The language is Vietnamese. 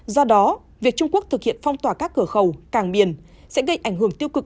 do đó việc trung quốc thực hiện phong tỏa các cửa khẩu càng biển sẽ gây ảnh hưởng tiêu cực